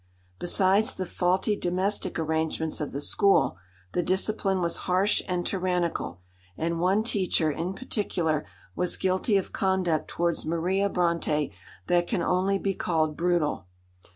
Besides the faulty domestic arrangements of the school, the discipline was harsh and tyrannical, and one teacher in particular was guilty of conduct towards Maria Brontë that can only be called brutal.